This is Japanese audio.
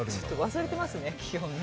忘れてますね、気温ね。